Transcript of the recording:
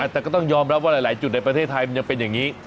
แต่ก็ต้องยอมรับว่าหลายจุดในประเทศไทยมันยังเป็นอย่างนี้